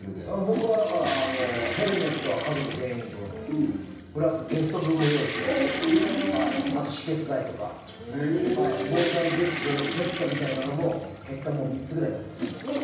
僕は、だからヘルメットは家族全員分プラスゲスト分も用意してあと止血剤とか防災グッズセットみたいなのも結果もう３つぐらい持ってます。